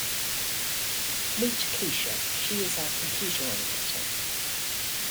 Meet Kesha, she is our computer animator.